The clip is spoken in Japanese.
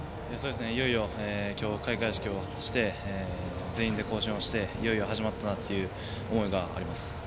いよいよ今日開会式をして全員で行進をしていよいよ始まったという思いがあります。